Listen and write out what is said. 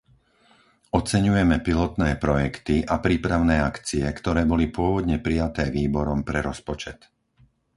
Oceňujeme pilotné projekty a prípravné akcie, ktoré boli pôvodne prijaté Výborom pre rozpočet.